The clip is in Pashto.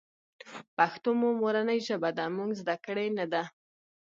پښتو مو مورنۍ ژبه ده مونږ ذده کــــــــړې نۀ ده